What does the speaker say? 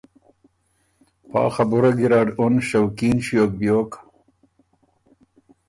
پا خبُره ګیرډ اُن شوقین ݭیوک بیوک